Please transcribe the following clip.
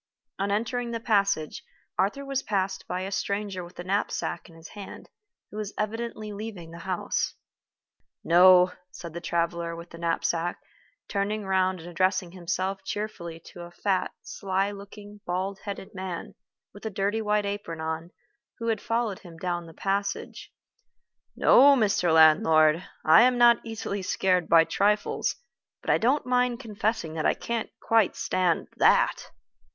On entering the passage, Arthur was passed by a stranger with a knapsack in his hand, who was evidently leaving the house. "No," said the traveler with the knapsack, turning round and addressing himself cheerfully to a fat, sly looking, bald headed man, with a dirty white apron on, who had followed him down the passage, "no, Mr. Landlord, I am not easily scared by trifles; but I don't mind confessing that I can't quite stand that."